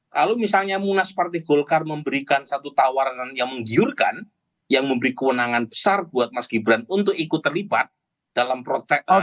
kalau misalnya munas partai golkar memberikan satu tawaran yang menggiurkan yang memberi kewenangan besar buat mas gibran untuk ikut terlibat dalam proteksi